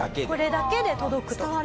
これだけで届くと。